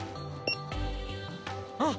あっ！